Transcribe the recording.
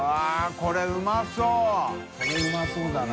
これうまそうだな。